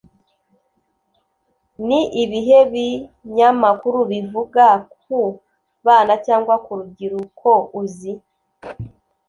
Ni ibihe binyamakuru bivuga ku bana cyangwa ku rubyiruko uzi?